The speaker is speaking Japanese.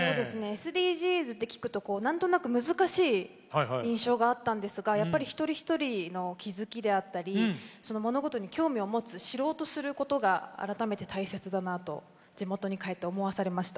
ＳＤＧｓって聞くとなんとなく難しい印象があったんですがやっぱり一人一人の気付きであったり物事に興味を持つ知ろうとすることが改めて大切だなと地元に帰って思わされました。